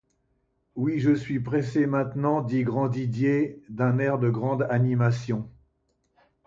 Oui, je suis pressé maintenant, dit Grandidier d'un air de grande animation.